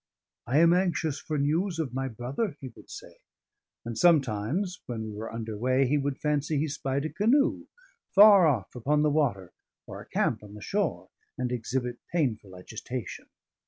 "I am anxious for news of my brother," he would say. And sometimes, when we were under way, he would fancy he spied a canoe far off upon the water or a camp on the shore, and exhibit painful agitation.